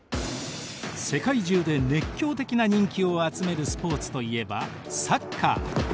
世界中で熱狂的な人気を集めるスポーツといえばサッカー。